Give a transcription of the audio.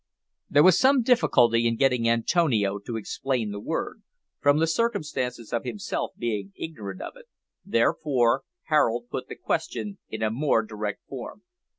There was some difficulty in getting Antonio to explain the word, from the circumstance of himself being ignorant of it, therefore Harold put the question in a more direct form.